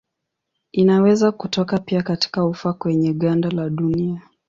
Inaweza kutoka pia katika ufa kwenye ganda la dunia.